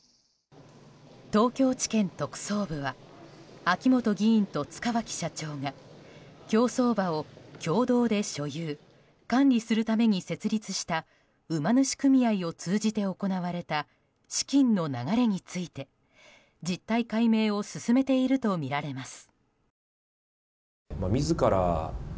東京地検特捜部は秋本議員と塚脇社長が競走馬を共同で所有・管理するために設立した馬主組合を通じて行われた資金の流れについて実態解明を進めているとみられます。